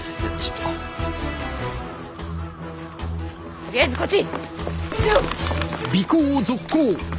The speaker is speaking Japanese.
とりあえずこっち！